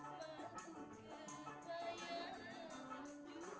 sikapmu yang meramah dan berdiam